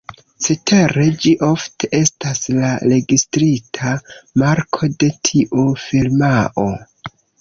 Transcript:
Cetere, ĝi ofte estas la registrita marko de tiu firmao.